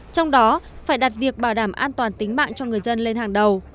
trong đó phải đặt việc bảo đảm an toàn tính mạng cho người dân lên hàng đầu